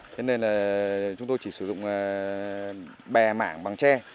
thế nên là chúng tôi chỉ sử dụng bè mảng bằng tre